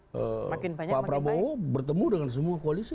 pak prabowo bertemu dengan semua koalisi